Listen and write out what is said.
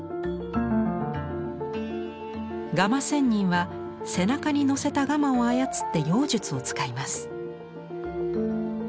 蝦蟇仙人は背中に乗せた蝦蟇を操って妖術を使います。